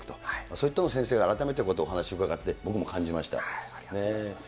そういったものを先生が改めてお話伺って、僕も感じました。